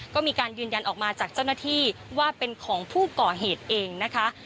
ก็มีการยืนยันออกมาจากเจ้าหน้าที่ว่าเป็นของผู้ก่อเหตุเองนะคะ